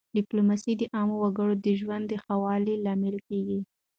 ډیپلوماسي د عامو وګړو د ژوند د ښه والي لامل کېږي.